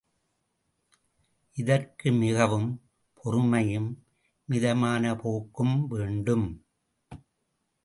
இதற்கு மிகவும் பொறுமையும், மிதமான போக்கும் வேண்டும்.